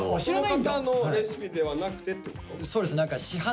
この方のレシピではなくてってこと？